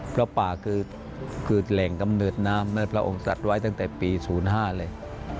พระป่าคือแหล่งกำเนิดน้ำในพระองค์สัตว์ไว้ตั้งแต่ปี๐๕เลย